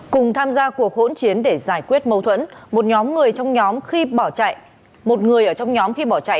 cùng tham gia cuộc hỗn chiến để giải quyết mâu thuẫn một người ở trong nhóm khi bỏ chạy